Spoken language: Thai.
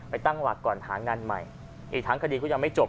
ตั้งหลักก่อนหางานใหม่อีกทั้งคดีก็ยังไม่จบ